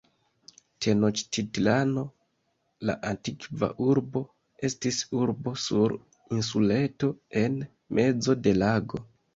Tenoĉtitlano, la antikva urbo, estis urbo sur insuleto en mezo de lago.